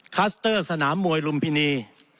คัสเตอร์สนามมวยลุมพินี